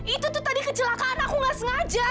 itu tuh tadi kecelakaan aku gak sengaja